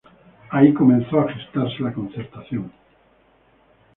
Ahí comienza a gestarse la Concertación.